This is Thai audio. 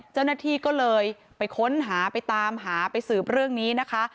เจ้าหน้าที่ก็เลยไปค้นหาไปตามหาไปสืบเรื่องนี้นะคะ